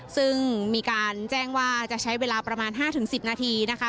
ซึ่งมีการแจ้งว่าจะใช้เวลาประมาณ๕๑๐นาทีนะคะ